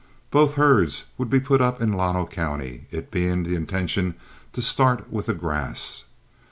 Both herds would be put up in Llano County, it being the intention to start with the grass.